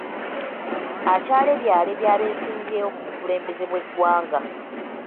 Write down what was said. Akyaleebyaleebya abeesimbyewo ku bukulembeze bw'eggwanga.